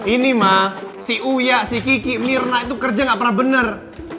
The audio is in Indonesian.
ini mah si uya si kiki mirna itu kerja gak pernah benar